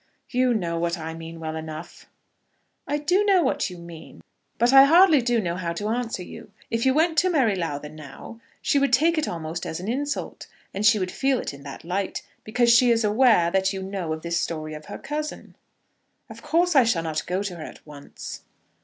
"You know what I mean well enough." "I do know what you mean, but I hardly do know how to answer you. If you went to Mary Lowther now, she would take it almost as an insult; and she would feel it in that light, because she is aware that you know of this story of her cousin." "Of course I shall not go to her at once."